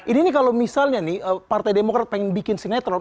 ini nih kalau misalnya nih partai demokrat pengen bikin sinetron